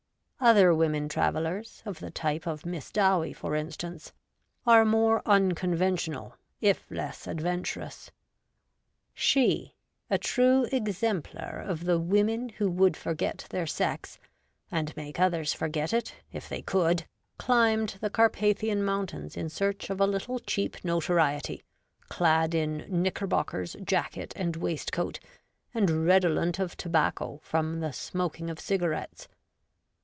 Other women travellers — of the type of Miss Dowie, for instance — are more unconventional, if less adventurous. She, a true exemplar of the women who would forget their sex — and make others forget it — if they could, climbed the Kar pathian mountains in search of a. little cheap (VOMAA^ UP TO DATE. g notoriety, clad in knickerbockers, jacket, and waist coat, and redolent of tobacco from the smoking of cigarettes.